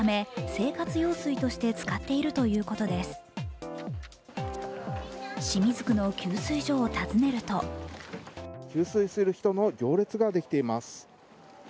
清水区の給水所を訪ねると給水する人の行列ができています。